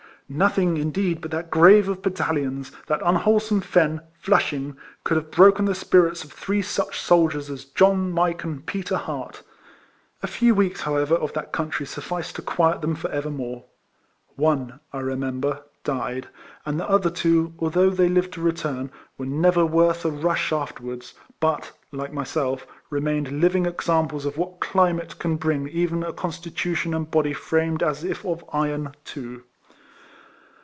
" Nothing, indeed, but that grave of bat talions, that unwholesome fen, Flushing, could have broken the spirits of three such soldiers as John, Mike, and Peter Hart. A few weeks, however, of that country suf ficed to quiet them for evermore. One, I remember, died ; and the other two, although they lived to return, were never worth a rush afterwards, but, like myself, remained living examples of what climate can bring even a constitution and body framed as if of iron to.